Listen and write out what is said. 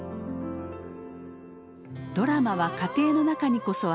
ドラマは家庭の中にこそある。